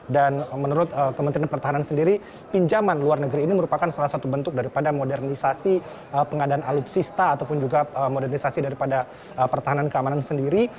dan menurut kementerian pertahanan sendiri pinjaman luar negeri ini merupakan salah satu bentuk daripada modernisasi pengadaan alutsista ataupun juga modernisasi daripada pertahanan keamanan sendiri